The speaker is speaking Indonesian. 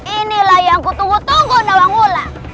inilah yang kutunggu tunggu nawangula